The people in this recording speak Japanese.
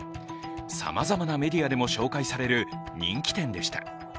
さまざまなメディアでも紹介される人気店でした。